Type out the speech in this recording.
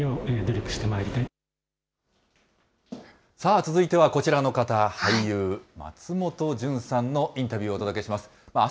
続いてはこちらの方、俳優、松本潤さんのインタビューをお届けします。